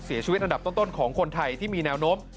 อันดับต้นของคนไทยที่มีแนวโน้ม